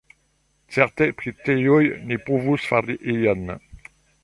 Certe pri tiuj ni povus fari ion.